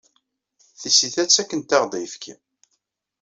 Tisita ttakent-aɣ-d ayefki.